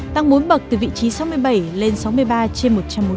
tăng bốn bậc từ vị trí sáu mươi bảy lên sáu mươi ba trên một trăm bốn mươi